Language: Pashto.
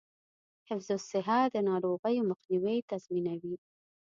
حفظ الصحه د ناروغیو مخنیوی تضمینوي.